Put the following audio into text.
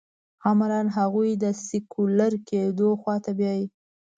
عملاً هغوی د سیکولر کېدو خوا ته بیايي.